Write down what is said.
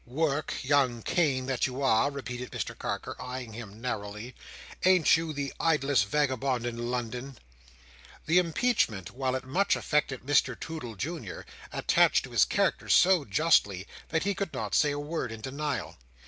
"Work, young Cain that you are!" repeated Mr Carker, eyeing him narrowly. "Ain't you the idlest vagabond in London?" The impeachment, while it much affected Mr Toodle Junior, attached to his character so justly, that he could not say a word in denial.